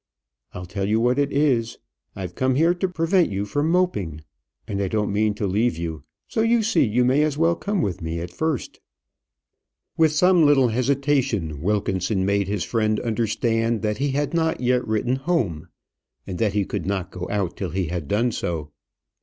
I'll tell you what it is; I've come here to prevent you from moping, and I don't mean to leave you. So, you see, you may as well come with me at first." With some little hesitation, Wilkinson made his friend understand that he had not yet written home, and that he could not go out till he had done so.